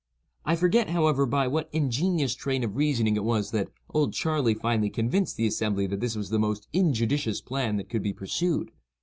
I forget, however, by what ingenious train of reasoning it was that "Old Charley" finally convinced the assembly that this was the most injudicious plan that could be pursued.